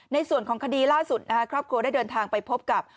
ในส่วนของคดีล่าสุดครอบครัวได้เดินทางไปพบกับ